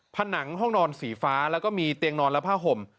ผนังห้องนอนสีฟ้าแล้วก็มีเตียงนอนและผ้าห่ม